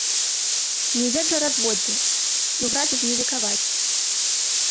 Не век жа разводдзе і ў гразі ж не векаваць.